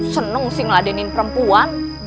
seneng sih ngeladenin perempuan